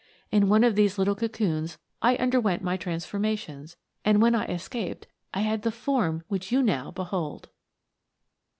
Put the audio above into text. In one of these little cocoons I underwent my transformations, and when I escaped I had the form which you now behold!"